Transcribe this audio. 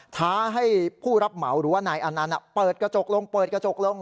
ท้าให้ผู้รับเหมาหรือว่านายอนันต์เปิดกระจกลงเปิดกระจกลง